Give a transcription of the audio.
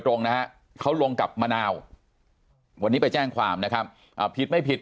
ตรงนะฮะเขาลงกับมะนาววันนี้ไปแจ้งความนะครับผิดไม่ผิด